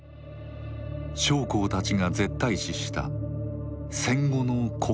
将校たちが絶対視した戦後の国体の護持。